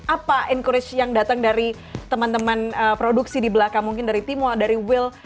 apa encourage yang datang dari teman teman produksi di belakang mungkin dari timo dari will